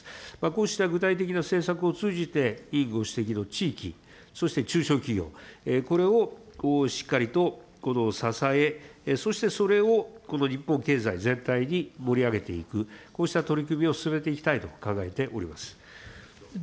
こうした具体的な政策を通じて、委員ご指摘の地域、そして中小企業、これをしっかりと支え、そしてそれをこの日本経済全体に盛り上げていく、こうした取り組みを進めていきたいと考えております。